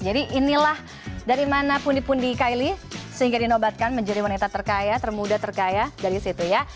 jadi inilah dari mana pundi pundi kylie sehingga dinobatkan menjadi wanita terkaya termuda terkaya dari situ ya